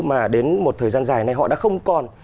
mà đến một thời gian dài này họ đã không còn